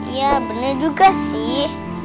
iya bener juga sih